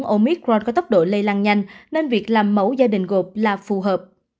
omicron có tốc độ lây lan nhanh nên việc làm mẫu gia đình gột là phù hợp